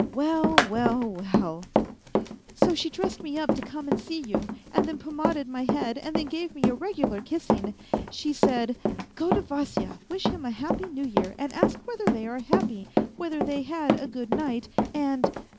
" Well, well, well !"" So she dressed me up to come and see you, and then pomaded my head and then gave me a regular kissing. She said :' Go to Vasya, wish him a happy New Year, and ask whether they are happy, whether they had a good night, and